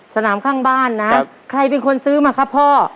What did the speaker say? สนามข้างบ้านนะใครเป็นคนซื้อมาครับพ่อ